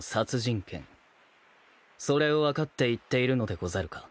それを分かって言っているのでござるか？